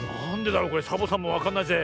これサボさんもわかんないぜ。